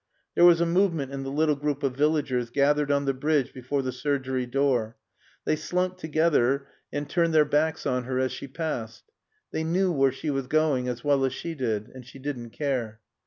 There was a movement in the little group of villagers gathered on the bridge before the surgery door. They slunk together and turned their backs on her as she passed. They knew where she was going as well as she did. And she didn't care.